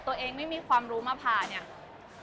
ตัวเองไม่มีความรู้มาผ่าเนี่ย